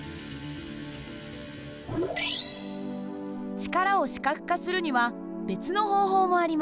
力を視覚化するには別の方法もあります。